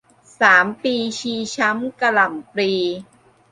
สามปีชีช้ำกระหล่ำปลี